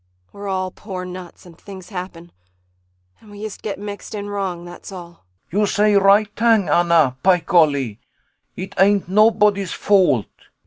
We're all poor nuts, and things happen, and we yust get mixed in wrong, that's all. CHRIS [Eagerly.] You say right tang, Anna, py golly! It ain't nobody's fault!